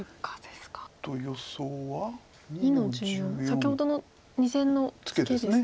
先ほどの２線のツケですね。